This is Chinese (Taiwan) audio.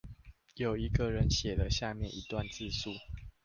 有一個人寫了下面一段自述